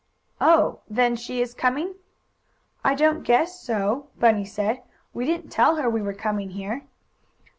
"Oh, then she is coming?" "I don't guess so," Bunny said. "We didn't tell her we were coming here."